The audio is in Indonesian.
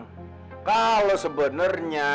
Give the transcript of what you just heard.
kalo sebenernya haji muhyiddin yang ngurusnya